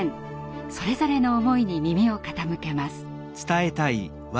それぞれの思いに耳を傾けます。